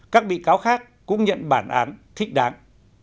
các bị cáo khác cũng nhận bản án thích đáng